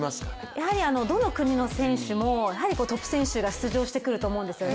やはりどの国の選手もトップ選手が出場してくると思うんですよね。